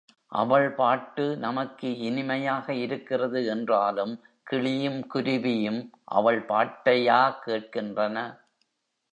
அவள் பாட்டு நமக்கு இனிமையாக இருக்கிறது என்றாலும், கிளியும், குருவியும் அவள் பாட்டையா கேட்கின்றன?